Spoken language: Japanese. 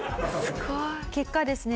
結果ですね